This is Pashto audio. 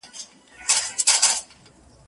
ګېډۍ، ګېډۍ ګلونه وشيندله